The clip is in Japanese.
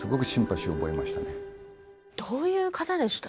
どういう方でした？